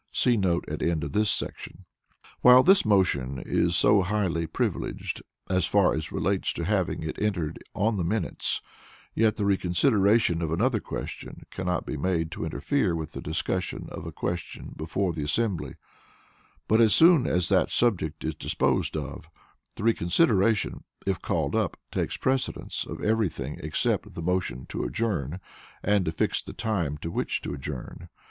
[See note at end of this section.] While this motion is so highly privileged as far as relates to having it entered on the minutes, yet the reconsideration of another question cannot be made to interfere with the discussion of a question before the assembly, but as soon as that subject is disposed of, the reconsideration, if called up, takes precedence of every thing except the motions to adjourn, and to fix the time to which to adjourn.